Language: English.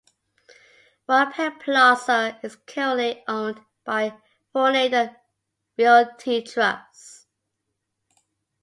One Penn Plaza is currently owned by Vornado Realty Trust.